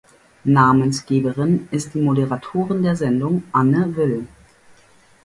Namensgeberin ist die Moderatorin der Sendung, Anne Will.